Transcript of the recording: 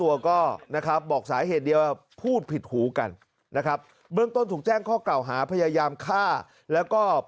อาจจะคิดแค่นั้นแหละ